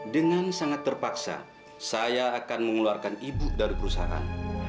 dengan sangat terpaksa saya akan mengeluarkan ibu dari perusahaan